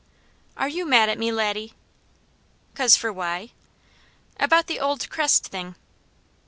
"Are you mad at me, Laddie?" "'Cause for why?" "About the old crest thing!"